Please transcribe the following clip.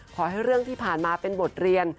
ขอให้เรื่องที่ผ่านมาเป็นบทเรียน